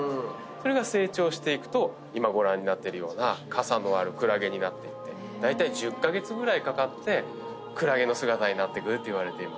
それが成長していくと今ご覧になっているようなかさのあるクラゲになっていって１０カ月ぐらいかかってクラゲの姿になっていくといわれています。